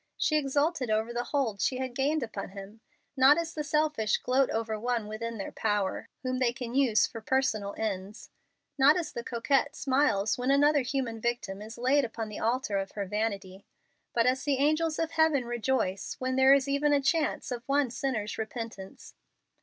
She exulted over the hold she had gained upon him, not as the selfish gloat over one within their power, whom they can use for personal ends not as the coquette smiles when another human victim is laid upon the altar of her vanity, but as the angels of heaven rejoice when there is even a chance of one sinner's repentance.